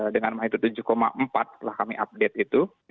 dengan mahitud tujuh empat setelah kami update itu